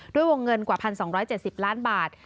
ด้วยวงเงินกว่า๑๒๗๐ล้านบาท